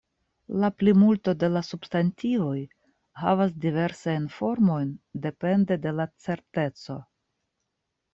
La plimulto de la substantivoj havas diversajn formojn, depende de la "certeco".